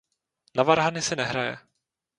Na varhany se nehraje.